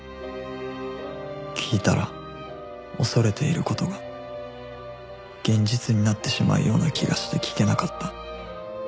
聞いたら恐れている事が現実になってしまうような気がして聞けなかった